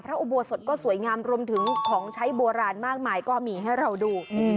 อุโบสถก็สวยงามรวมถึงของใช้โบราณมากมายก็มีให้เราดู